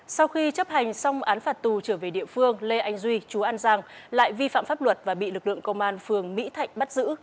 sau khi chấp hành xong án phạt tù trở về địa phương lê anh duy chú an giang lại vi phạm pháp luật và bị lực lượng công an phường mỹ thạnh bắt giữ